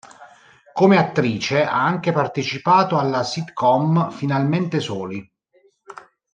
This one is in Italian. Come attrice ha anche partecipato alla sitcom "Finalmente soli".